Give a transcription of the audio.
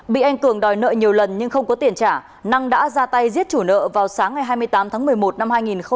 bị anh cường đòi nợ nhiều lần nhưng không có tiền trả năng đã ra tay giết chủ nợ vào sáng ngày hai mươi tám tháng một mươi một năm hai nghìn một mươi chín